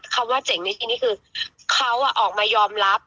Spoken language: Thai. คำว่าเจ๋งในที่นี่คือเขาออกมายอมรับ